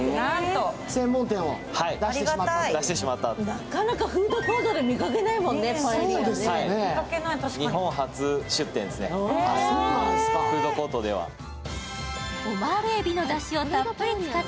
なかなかフードコートで見かけないもんね、パエリアって。